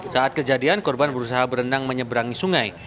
saat kejadian korban berusaha berenang menyeberangi sungai